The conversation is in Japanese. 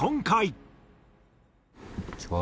こんにちは。